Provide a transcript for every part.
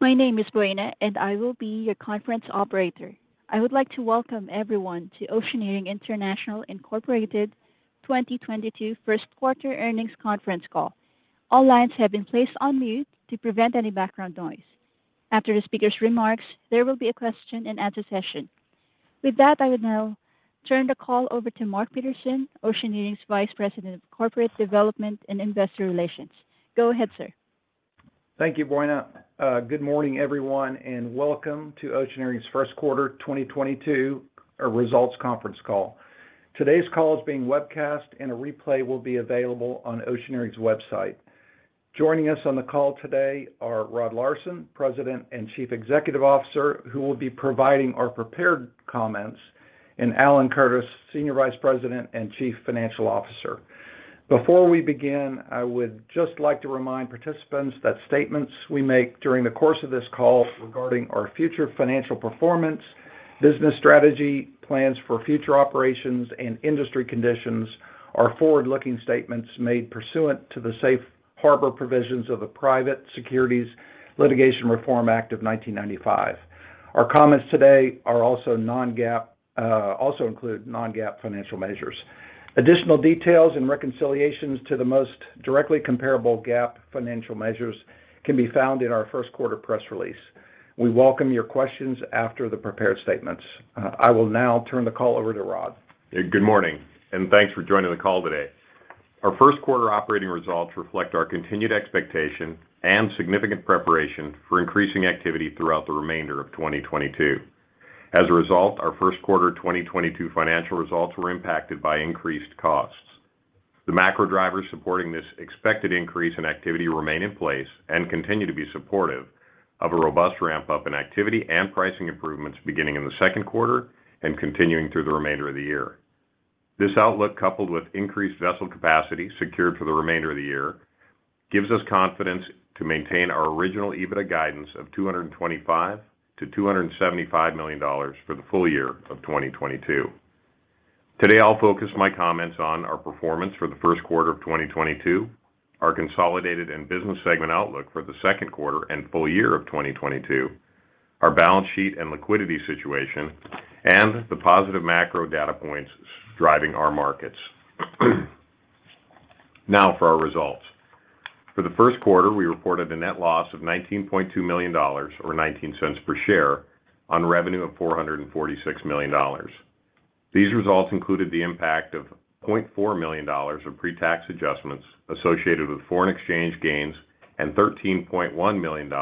My name is Buena, and I will be your conference operator. I would like to welcome everyone to Oceaneering International, Inc. 2022 first quarter earnings conference call. All lines have been placed on mute to prevent any background noise. After the speaker's remarks, there will be a question and answer session. With that, I will now turn the call over to Mark Peterson, Oceaneering's Vice President of Corporate Development and Investor Relations. Go ahead, sir. Thank you, Buena. Good morning, everyone, and welcome to Oceaneering's first quarter 2022 results conference call. Today's call is being webcast and a replay will be available on Oceaneering's website. Joining us on the call today are Rod Larson, President and Chief Executive Officer, who will be providing our prepared comments, and Alan Curtis, Senior Vice President and Chief Financial Officer. Before we begin, I would just like to remind participants that statements we make during the course of this call regarding our future financial performance, business strategy, plans for future operations, and industry conditions are forward-looking statements made pursuant to the safe harbor provisions of the Private Securities Litigation Reform Act of 1995. Our comments today are also non-GAAP, also include non-GAAP financial measures. Additional details and reconciliations to the most directly comparable GAAP financial measures can be found in our first quarter press release. We welcome your questions after the prepared statements. I will now turn the call over to Rod. Good morning, and thanks for joining the call today. Our first quarter operating results reflect our continued expectation and significant preparation for increasing activity throughout the remainder of 2022. As a result, our first quarter 2022 financial results were impacted by increased costs. The macro drivers supporting this expected increase in activity remain in place and continue to be supportive of a robust ramp-up in activity and pricing improvements beginning in the second quarter and continuing through the remainder of the year. This outlook, coupled with increased vessel capacity secured for the remainder of the year, gives us confidence to maintain our original EBITDA guidance of $225 million-$275 million for the full year of 2022. Today, I'll focus my comments on our performance for the first quarter of 2022, our consolidated and business segment outlook for the second quarter and full year of 2022, our balance sheet and liquidity situation, and the positive macro data points driving our markets. Now for our results. For the first quarter, we reported a net loss of $19.2 million or $0.19 per share on revenue of $446 million. These results included the impact of $0.4 million of pre-tax adjustments associated with foreign exchange gains and $13.1 million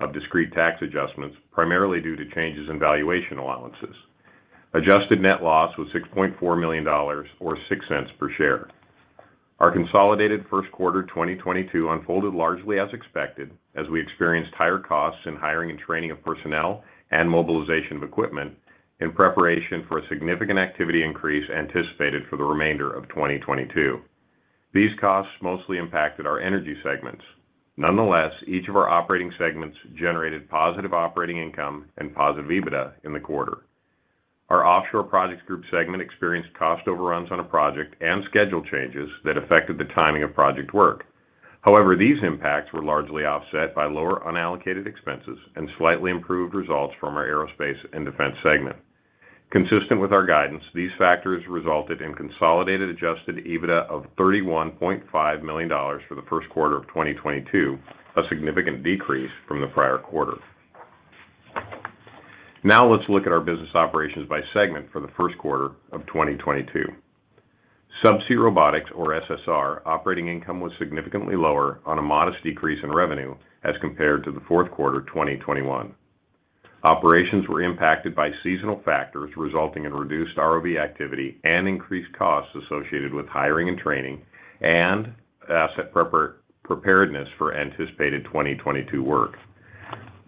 of discrete tax adjustments, primarily due to changes in valuation allowances. Adjusted net loss was $6.4 million or $0.06 per share. Our consolidated first quarter 2022 unfolded largely as expected as we experienced higher costs in hiring and training of personnel and mobilization of equipment in preparation for a significant activity increase anticipated for the remainder of 2022. These costs mostly impacted our energy segments. Nonetheless, each of our operating segments generated positive operating income and positive EBITDA in the quarter. Our Offshore Projects Group segment experienced cost overruns on a project and schedule changes that affected the timing of project work. However, these impacts were largely offset by lower unallocated expenses and slightly improved results from our Aerospace and Defense segment. Consistent with our guidance, these factors resulted in consolidated adjusted EBITDA of $31.5 million for the first quarter of 2022, a significant decrease from the prior quarter. Now let's look at our business operations by segment for the first quarter of 2022. Subsea Robotics or SSR operating income was significantly lower on a modest decrease in revenue as compared to the fourth quarter 2021. Operations were impacted by seasonal factors resulting in reduced ROV activity and increased costs associated with hiring and training and asset preparedness for anticipated 2022 work.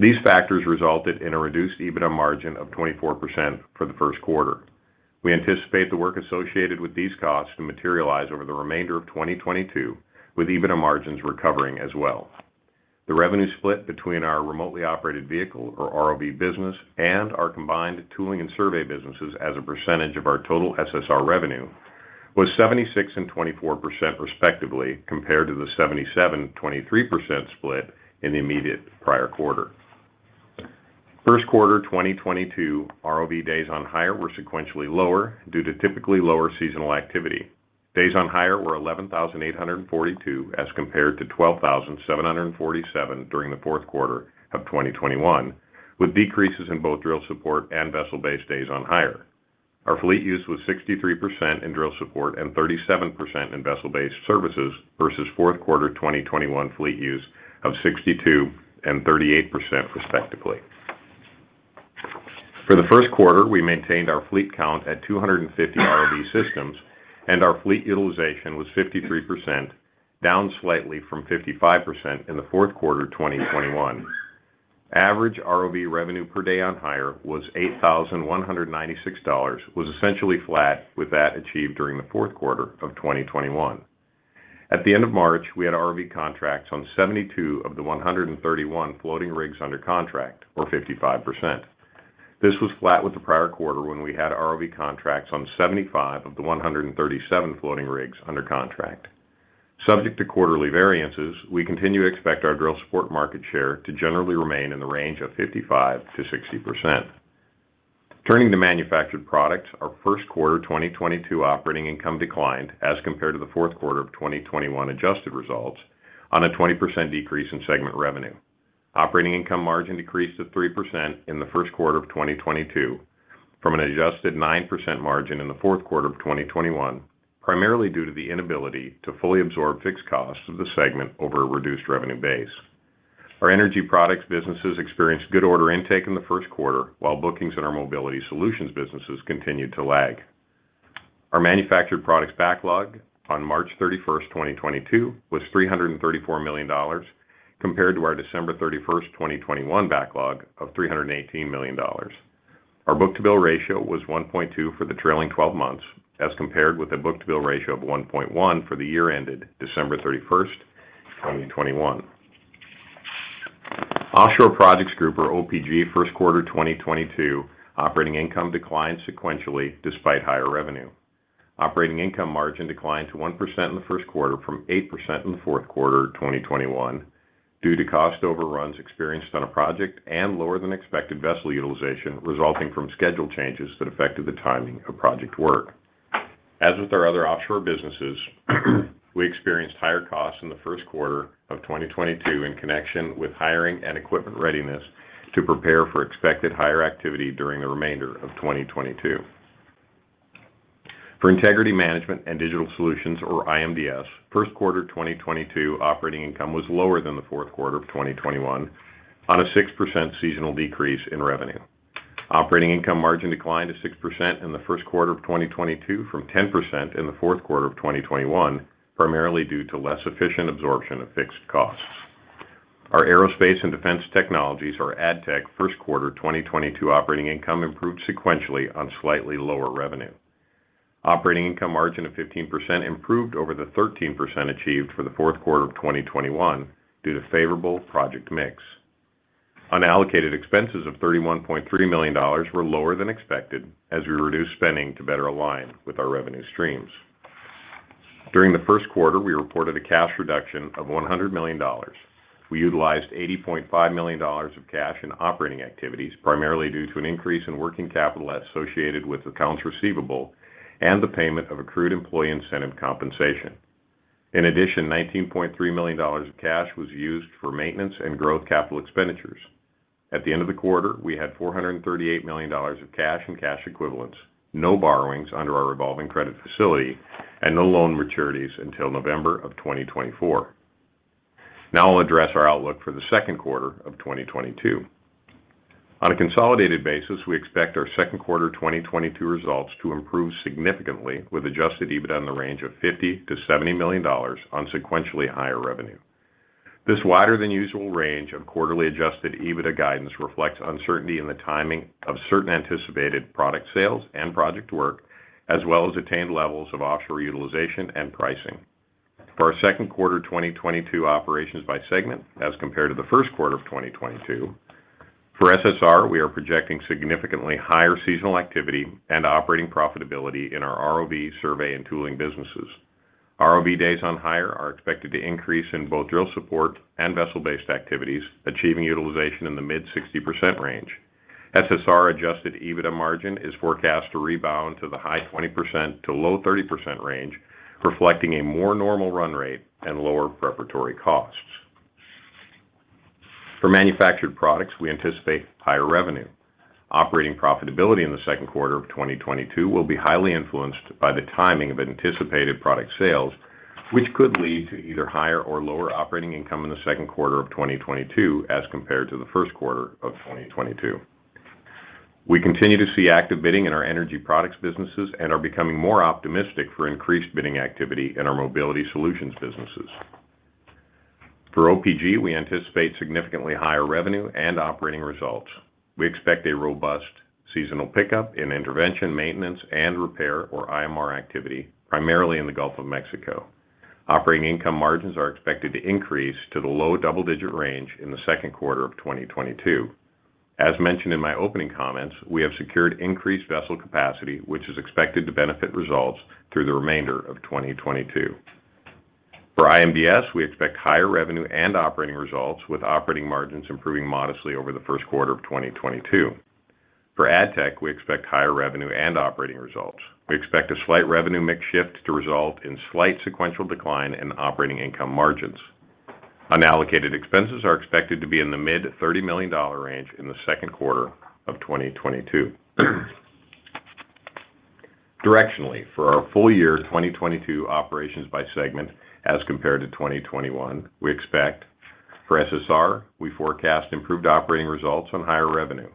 These factors resulted in a reduced EBITDA margin of 24% for the first quarter. We anticipate the work associated with these costs to materialize over the remainder of 2022, with EBITDA margins recovering as well. The revenue split between our remotely operated vehicle or ROV business and our combined tooling and survey businesses as a percentage of our total SSR revenue was 76% and 24% respectively, compared to the 77%/23% split in the immediate prior quarter. First quarter 2022 ROV days on hire were sequentially lower due to typically lower seasonal activity. Days on hire were 11,842 as compared to 12,747 during the fourth quarter of 2021, with decreases in both drill support and vessel-based days on hire. Our fleet use was 63% in drill support and 37% in vessel-based services versus fourth quarter 2021 fleet use of 62% and 38% respectively. For the first quarter, we maintained our fleet count at 250 ROV systems, and our fleet utilization was 53%, down slightly from 55% in the fourth quarter 2021. Average ROV revenue per day on hire was $8,196, was essentially flat with that achieved during the fourth quarter of 2021. At the end of March, we had ROV contracts on 72 of the 131 floating rigs under contract or 55%. This was flat with the prior quarter when we had ROV contracts on 75 of the 137 floating rigs under contract. Subject to quarterly variances, we continue to expect our drill support market share to generally remain in the range of 55%-60%. Turning to Manufactured Products, our first quarter 2022 operating income declined as compared to the fourth quarter of 2021 adjusted results on a 20% decrease in segment revenue. Operating income margin decreased to 3% in the first quarter of 2022 from an adjusted 9% margin in the fourth quarter of 2021, primarily due to the inability to fully absorb fixed costs of the segment over a reduced revenue base. Our energy products businesses experienced good order intake in the first quarter, while bookings in our Mobility Solutions businesses continued to lag. Our manufactured products backlog on March 31, 2022 was $334 million compared to our December 31, 2021 backlog of $318 million. Our book-to-bill ratio was 1.2 for the trailing twelve months as compared with a book-to-bill ratio of 1.1 for the year ended December 31, 2021. Offshore Projects Group, or OPG, first quarter 2022 operating income declined sequentially despite higher revenue. Operating income margin declined to 1% in the first quarter from 8% in the fourth quarter 2021 due to cost overruns experienced on a project and lower than expected vessel utilization resulting from schedule changes that affected the timing of project work. As with our other offshore businesses, we experienced higher costs in the first quarter of 2022 in connection with hiring and equipment readiness to prepare for expected higher activity during the remainder of 2022. For Integrity Management and Digital Solutions, or IMDS, first quarter 2022 operating income was lower than the fourth quarter of 2021 on a 6% seasonal decrease in revenue. Operating income margin declined to 6% in the first quarter of 2022 from 10% in the fourth quarter of 2021, primarily due to less efficient absorption of fixed costs. Our Aerospace and Defense Technologies, or ADTech, first quarter 2022 operating income improved sequentially on slightly lower revenue. Operating income margin of 15% improved over the 13% achieved for the fourth quarter of 2021 due to favorable project mix. Unallocated expenses of $31.3 million were lower than expected as we reduced spending to better align with our revenue streams. During the first quarter, we reported a cash reduction of $100 million. We utilized $80.5 million of cash in operating activities, primarily due to an increase in working capital associated with accounts receivable and the payment of accrued employee incentive compensation. In addition, $19.3 million of cash was used for maintenance and growth capital expenditures. At the end of the quarter, we had $438 million of cash and cash equivalents, no borrowings under our revolving credit facility, and no loan maturities until November 2024. Now I'll address our outlook for the second quarter of 2022. On a consolidated basis, we expect our second quarter 2022 results to improve significantly with adjusted EBITDA in the range of $50-$70 million on sequentially higher revenue. This wider than usual range of quarterly adjusted EBITDA guidance reflects uncertainty in the timing of certain anticipated product sales and project work, as well as attained levels of offshore utilization and pricing. For our second quarter 2022 operations by segment as compared to the first quarter of 2022, for SSR, we are projecting significantly higher seasonal activity and operating profitability in our ROV survey and tooling businesses. ROV days on hire are expected to increase in both drill support and vessel-based activities, achieving utilization in the mid-60% range. SSR adjusted EBITDA margin is forecast to rebound to the high 20%-low 30% range, reflecting a more normal run rate and lower preparatory costs. For Manufactured Products, we anticipate higher revenue. Operating profitability in the second quarter of 2022 will be highly influenced by the timing of anticipated product sales, which could lead to either higher or lower operating income in the second quarter of 2022 as compared to the first quarter of 2022. We continue to see active bidding in our energy products businesses and are becoming more optimistic for increased bidding activity in our Mobility Solutions businesses. For OPG, we anticipate significantly higher revenue and operating results. We expect a robust seasonal pickup in intervention, maintenance, and repair, or IMR activity, primarily in the Gulf of Mexico. Operating income margins are expected to increase to the low double-digit range in the second quarter of 2022. As mentioned in my opening comments, we have secured increased vessel capacity, which is expected to benefit results through the remainder of 2022. For IMDS, we expect higher revenue and operating results, with operating margins improving modestly over the first quarter of 2022. For ADTech, we expect higher revenue and operating results. We expect a slight revenue mix shift to result in slight sequential decline in operating income margins. Unallocated expenses are expected to be in the mid-$30 million range in the second quarter of 2022. Directionally, for our full-year 2022 operations by segment as compared to 2021, we expect for SSR, we forecast improved operating results on higher revenue.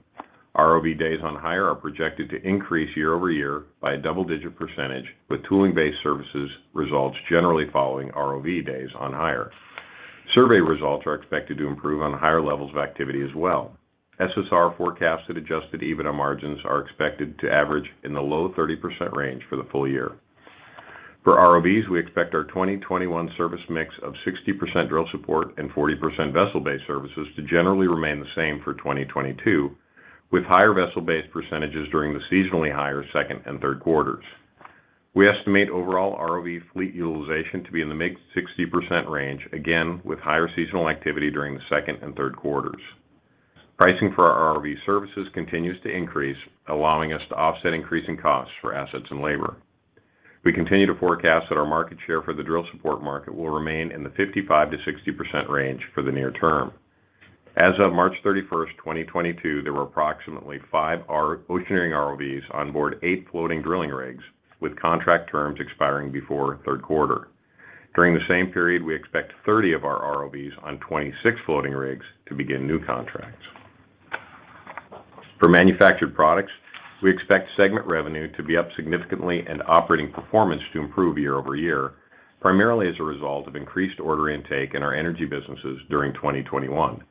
ROV days on hire are projected to increase year-over-year by a double-digit percentage, with tooling-based services results generally following ROV days on hire. Survey results are expected to improve on higher levels of activity as well. SSR forecasted adjusted EBITDA margins are expected to average in the low 30% range for the full year. For ROVs, we expect our 2021 service mix of 60% drill support and 40% vessel-based services to generally remain the same for 2022. With higher vessel-based percentages during the seasonally higher second and third quarters. We estimate overall ROV fleet utilization to be in the mid 60% range, again, with higher seasonal activity during the second and third quarters. Pricing for our ROV services continues to increase, allowing us to offset increasing costs for assets and labor. We continue to forecast that our market share for the drill support market will remain in the 55%-60% range for the near term. As of March 31, 2022, there were approximately 5 Oceaneering ROVs on board 8 floating drilling rigs, with contract terms expiring before third quarter. During the same period, we expect 30 of our ROVs on 26 floating rigs to begin new contracts. For manufactured products, we expect segment revenue to be up significantly and operating performance to improve year-over-year, primarily as a result of increased order intake in our energy businesses during 2021.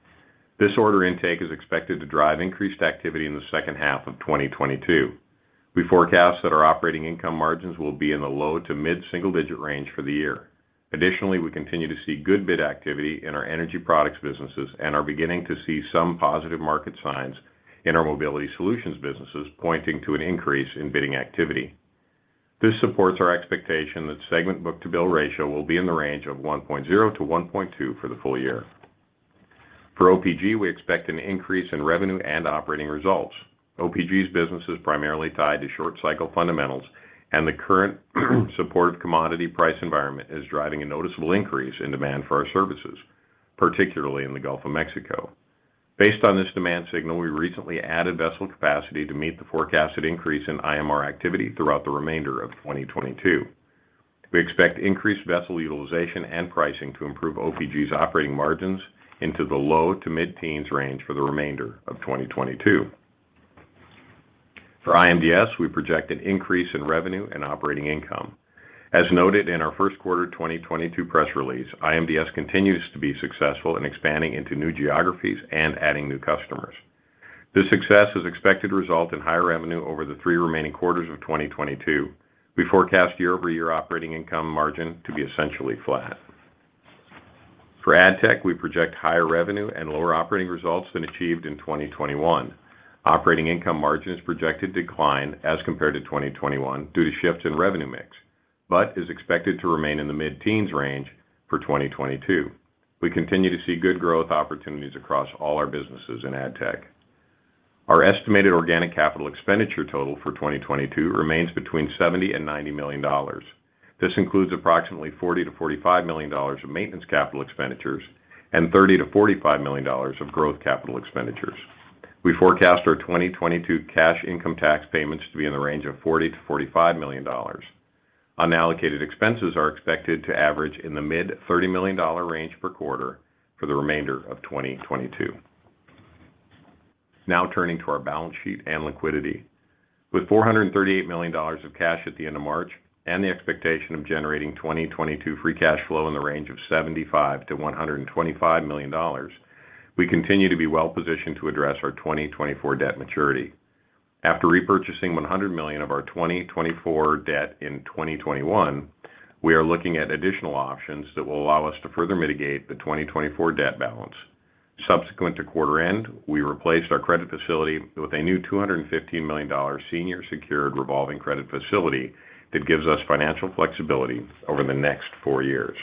This order intake is expected to drive increased activity in the second half of 2022. We forecast that our operating income margins will be in the low- to mid-single-digit range for the year. Additionally, we continue to see good bid activity in our energy products businesses and are beginning to see some positive market signs in our mobility solutions businesses, pointing to an increase in bidding activity. This supports our expectation that segment book-to-bill ratio will be in the range of 1.0-1.2 for the full year. For OPG, we expect an increase in revenue and operating results. OPG's business is primarily tied to short cycle fundamentals, and the current supportive commodity price environment is driving a noticeable increase in demand for our services, particularly in the Gulf of Mexico. Based on this demand signal, we recently added vessel capacity to meet the forecasted increase in IMR activity throughout the remainder of 2022. We expect increased vessel utilization and pricing to improve OPG's operating margins into the low-to-mid-teens% range for the remainder of 2022. For IMDS, we project an increase in revenue and operating income. As noted in our first quarter 2022 press release, IMDS continues to be successful in expanding into new geographies and adding new customers. This success is expected to result in higher revenue over the 3 remaining quarters of 2022. We forecast year-over-year operating income margin to be essentially flat. For ADTech, we project higher revenue and lower operating results than achieved in 2021. Operating income margin is projected to decline as compared to 2021 due to shifts in revenue mix, but is expected to remain in the mid-teens range for 2022. We continue to see good growth opportunities across all our businesses in ADTech. Our estimated organic capital expenditure total for 2022 remains between $70 million and $90 million. This includes approximately $40-$45 million of maintenance capital expenditures and $30-$45 million of growth capital expenditures. We forecast our 2022 cash income tax payments to be in the range of $40-$45 million. Unallocated expenses are expected to average in the mid-$30 million range per quarter for the remainder of 2022. Now turning to our balance sheet and liquidity. With $438 million of cash at the end of March and the expectation of generating 2022 free cash flow in the range of $75-$125 million, we continue to be well-positioned to address our 2024 debt maturity. After repurchasing $100 million of our 2024 debt in 2021, we are looking at additional options that will allow us to further mitigate the 2024 debt balance. Subsequent to quarter end, we replaced our credit facility with a new $215 million senior secured revolving credit facility that gives us financial flexibility over the next four years.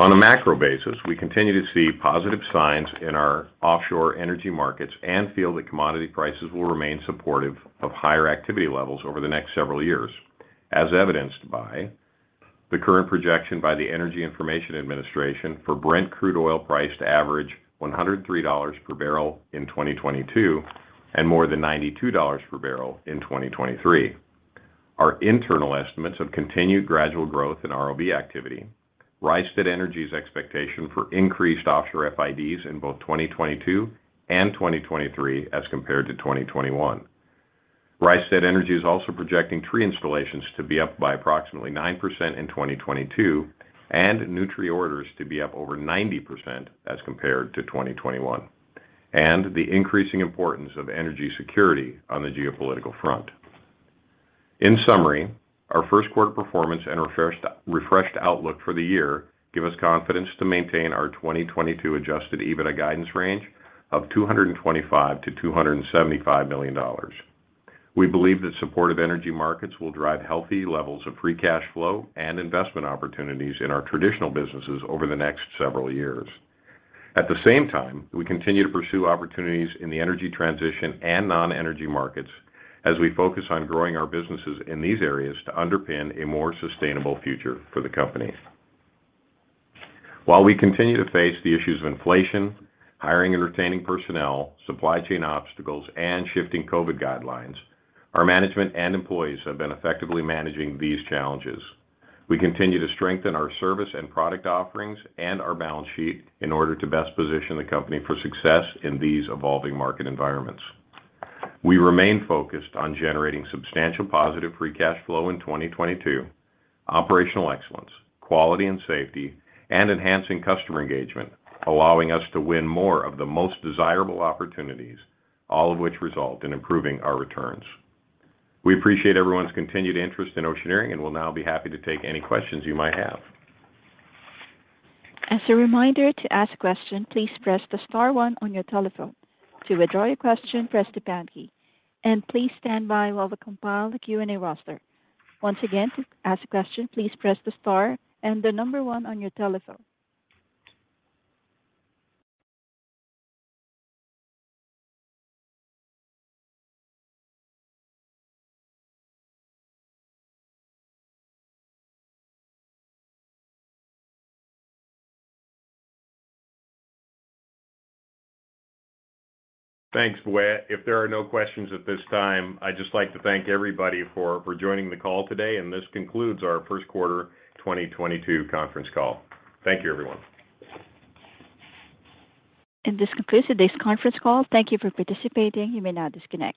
On a macro basis, we continue to see positive signs in our offshore energy markets and feel that commodity prices will remain supportive of higher activity levels over the next several years, as evidenced by the current projection by the U.S. Energy Information Administration for Brent crude oil price to average $103 per barrel in 2022 and more than $92 per barrel in 2023. Our internal estimates of continued gradual growth in ROV activity, Rystad Energy's expectation for increased offshore FIDs in both 2022 and 2023 as compared to 2021. Rystad Energy is also projecting tree installations to be up by approximately 9% in 2022 and new tree orders to be up over 90% as compared to 2021. The increasing importance of energy security on the geopolitical front. In summary, our first quarter performance and refreshed outlook for the year give us confidence to maintain our 2022 adjusted EBITDA guidance range of $225 million-$275 million. We believe that supportive energy markets will drive healthy levels of free cash flow and investment opportunities in our traditional businesses over the next several years. At the same time, we continue to pursue opportunities in the energy transition and non-energy markets as we focus on growing our businesses in these areas to underpin a more sustainable future for the company. While we continue to face the issues of inflation, hiring and retaining personnel, supply chain obstacles, and shifting COVID guidelines, our management and employees have been effectively managing these challenges. We continue to strengthen our service and product offerings and our balance sheet in order to best position the company for success in these evolving market environments. We remain focused on generating substantial positive free cash flow in 2022, operational excellence, quality and safety, and enhancing customer engagement, allowing us to win more of the most desirable opportunities, all of which result in improving our returns. We appreciate everyone's continued interest in Oceaneering and will now be happy to take any questions you might have. As a reminder to ask a question, please press the star one on your telephone. To withdraw your question, press the pound key. Please stand by while we compile the Q&A roster. Once again, to ask a question, please press the star and the number one on your telephone. Thanks, Buena. If there are no questions at this time, I'd just like to thank everybody for joining the call today, and this concludes our first quarter 2022 conference call. Thank you, everyone. This concludes today's conference call. Thank you for participating. You may now disconnect.